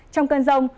trong cơn rông